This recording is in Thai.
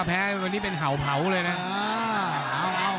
ถ้าแพ้เขาวันนี้เป็นเผาเหลือนะ